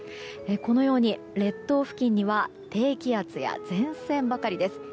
このように列島付近には低気圧や前線ばかりです。